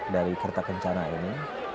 dari kereta kencana ini